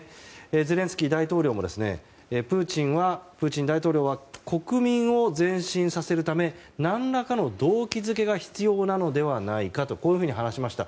ゼレンスキー大統領もプーチン大統領は国民を前進させるため何らかの動機付けが必要なのではないかと話しました。